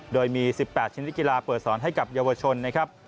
โดยมี๑๘ชนิดกีฬาเปิดสอนให้กับเยาวชนนะครับ